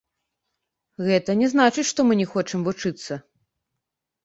Гэта не значыць, што мы не хочам вучыцца.